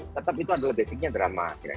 tetap itu adalah basicnya drama